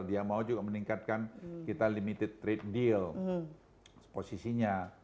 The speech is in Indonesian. dia mau juga meningkatkan kita limited trade deal posisinya